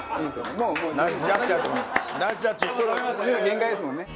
もう限界ですもんね。